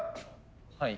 はい。